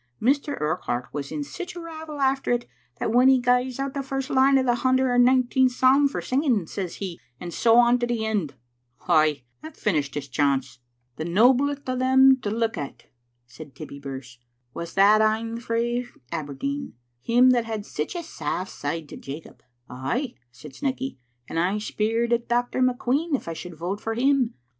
Mr. Urquhart was in sic a ravel after it that when he gies out the first line o* the hunder and nineteenth psalm for singing, says he, *And so on to the end.' Ay, that fin ished his chance. " "The noblest o* them to look at," said Tibbie Birse, " was that ane frae Aberdeen, him that had sic a saft side to Jacob." "Ay," said Snecky, "and I speired at Dr. McQueen if I should vote for him.